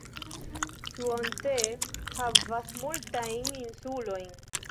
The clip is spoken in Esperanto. Suontee havas multajn insulojn.